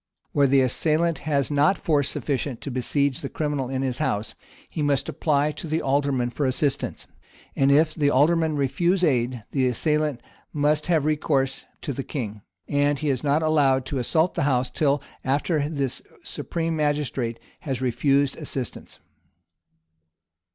Where the assailant has not force sufficient to besiege the criminal in his house, he must apply to the alderman for assistance; and if the alderman refuse aid the assailant must have recourse to the king; and he is not allowed to assault the house till after this supreme magistrate has refused assistance.